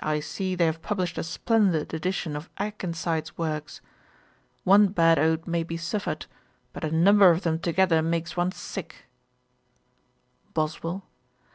I see they have published a splendid edition of Akenside's works. One bad ode may be suffered; but a number of them together makes one sick.' BOSWELL.